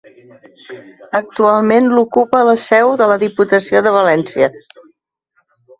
Actualment l'ocupa la seu de la Diputació de València.